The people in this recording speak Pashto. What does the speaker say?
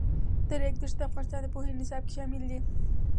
د ریګ دښتې د افغانستان د پوهنې نصاب کې شامل دي.